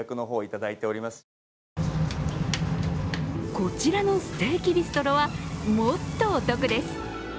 こちらのステーキビストロはもっとお得です。